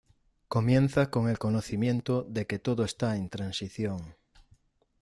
Comienza con el conocimiento de que todo está en transición.